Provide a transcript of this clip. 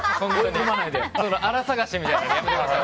荒探しみたいなのやめてください。